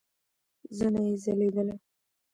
زنه يې ځليدله.